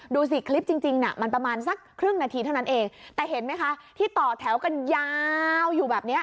ดูสิคลิปจริงน่ะมันประมาณสักครึ่งนาทีเท่านั้นเองแต่เห็นไหมคะที่ต่อแถวกันยาวอยู่แบบเนี้ย